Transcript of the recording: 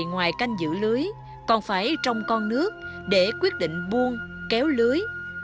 ngoài canh giữ lưới còn phải trong con nước để quyết định buông kéo lưới